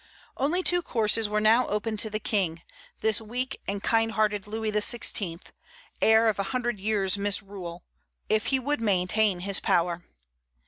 Only two courses were now open to the King, this weak and kind hearted Louis XVI., heir of a hundred years' misrule, if he would maintain his power.